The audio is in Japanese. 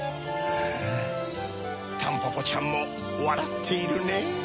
タンポポちゃんもわらっているねぇ。